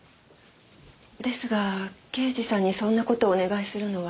ですが刑事さんにそんな事をお願いするのは。